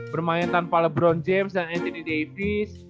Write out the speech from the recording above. bermain tanpa lebron james dan anthony davis